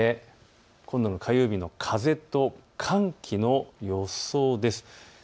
火曜日の風と寒気の予想です。